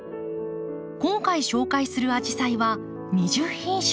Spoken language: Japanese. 今回紹介するアジサイは２０品種。